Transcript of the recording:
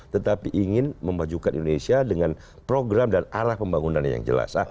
tetapi ingin memajukan indonesia dengan program dan arah pembangunan yang jelas